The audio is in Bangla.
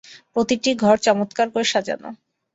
প্রতিটি ঘর চমৎকার করে সাজানো।